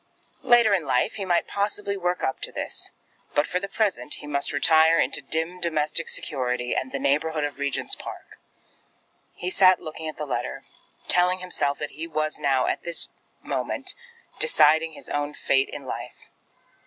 Later in life, he might possibly work up to this; but for the present he must retire into dim domestic security and the neighbourhood of Regent's Park. He sat looking at the letter, telling himself that he was now, at this moment, deciding his own fate in life.